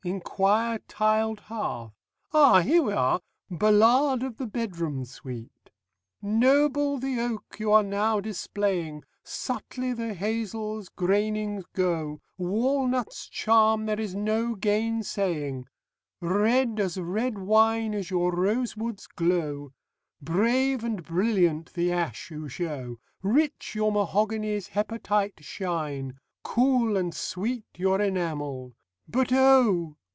inquire tiled hearth ... Ah! Here we are: 'Ballade of the Bedroom Suite': "'Noble the oak you are now displaying, Subtly the hazel's grainings go, Walnut's charm there is no gainsaying, Red as red wine is your rosewood's glow; Brave and brilliant the ash you show, Rich your mahogany's hepatite shine, Cool and sweet your enamel: But oh!